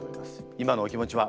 今のお気持ちは？